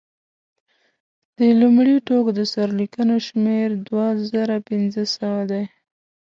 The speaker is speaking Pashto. د لومړي ټوک د سرلیکونو شمېر دوه زره پنځه سوه دی.